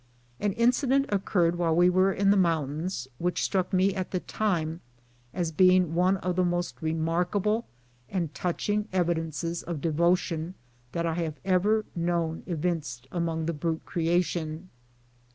An incident occurred while we were in the mountains which struck me at the time as being one of the most re markable and touching evidences of devotion that I have ever known evinced among the brute creation.